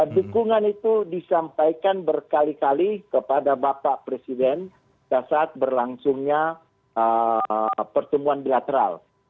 dukungan itu disampaikan berkali kali kepada bapak presiden pada saat berlangsungnya pertemuan bilateral